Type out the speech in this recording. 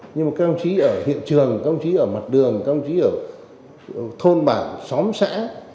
nhưng mà công chí ở hiện trường công chí ở mặt đường công chí ở thôn bảng xóm xã